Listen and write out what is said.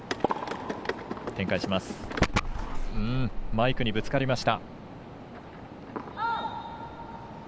マイクにぶつかりました。